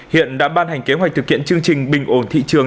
hiện đã ban hành kế hoạch thực hiện chương trình bình ổn thị trường